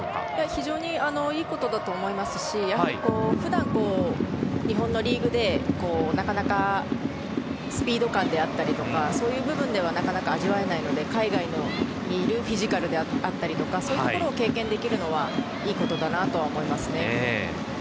非常にいいことだと思いますし、普段日本のリーグでなかなかスピード感であったり、そういう部分で味わえないので、海外の選手のフィジカルとか、そういうことを経験できるのはいいことだと思いますね。